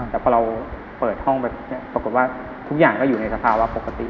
แต่พอเราเปิดห้องไปปรากฏว่าทุกอย่างก็อยู่ในสภาวะปกติ